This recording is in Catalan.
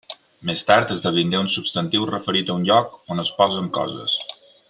Més tard, esdevingué un substantiu referit a un lloc on es posen coses.